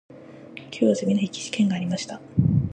今日はゼミの筆記試験がありました。